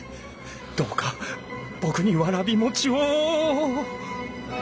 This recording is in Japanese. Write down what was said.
どうか僕にわらび餅を！